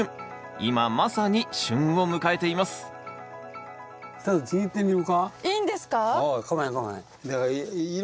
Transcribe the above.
今まさに旬を迎えていますいいんですか？